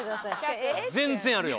全然あるよ。